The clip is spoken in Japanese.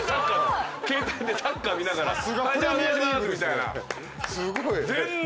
携帯でサッカー見ながら「じゃあお願いしまーす」みたいな。全然違くて。